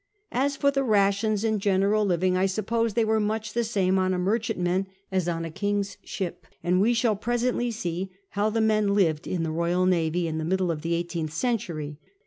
As for the rations and general living, I suppose they were much the same on a merchantman as on a king's ship, and we shall pre sently see how the men lived in the Boyal Navy in the middle of the eighteenth century.